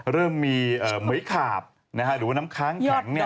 เริ่มมีเหมือยขาบนะฮะหรือว่าน้ำค้างแข็งเนี่ย